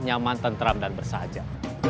nyaman tenteram dan bersahaja